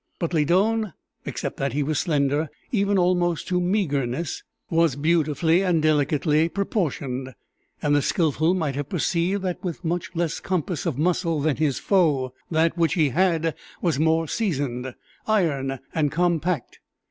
But Lydon, except that he was slender even almost to meagreness, was beautifully and delicately proportioned; and the skillful might have perceived that with much less compass of muscle than his foe, that which he had was more seasoned iron and compact.